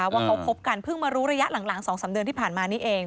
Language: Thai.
ว่าเขาคบกันเพิ่งมารู้ระยะหลัง๒๓เดือนที่ผ่านมานี้เอง